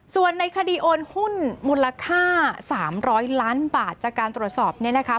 ส่วนในคดีโอนหุ้นมูลค่า๓๐๐ล้านบาทจากการตรวจสอบเนี่ยนะคะ